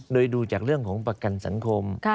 โดยดูจากเรื่องของประกันสังคม